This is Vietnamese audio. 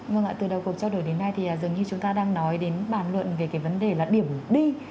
vâng ạ từ đầu cuộc trao đổi đến nay thì dường như chúng ta đang nói đến bàn luận về cái vấn đề là điểm đi